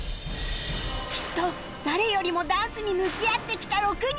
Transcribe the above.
きっと誰よりもダンスに向き合ってきた６人